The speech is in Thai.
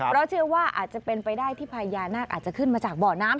เพราะเชื่อว่าอาจจะเป็นไปได้ที่พญานาคอาจจะขึ้นมาจากบ่อน้ำ